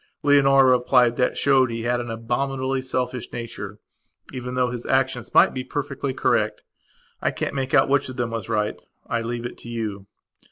Leonora replied that showed he had an abominably selfish nature even though his actions might be perfectly correct. I can't make out which of them was right. I leave it to you.